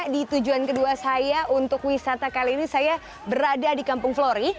di tujuan kedua saya untuk wisata kali ini saya berada di kampung flori